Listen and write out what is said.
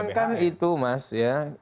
jangankan itu mas ya